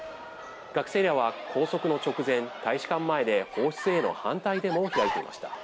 学生らは拘束の直前、大使館前で放出への反対デモを開いていました。